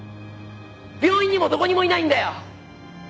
病院にもどこにもいないんだよ。